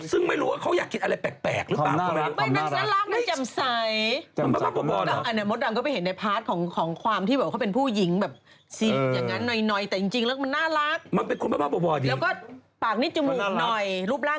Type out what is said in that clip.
ซึ่งไม่รู้ว่าเขาอยากกินอะไรแปลกหรือเปล่า